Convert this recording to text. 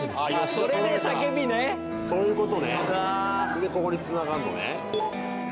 それで、ここにつながんのね。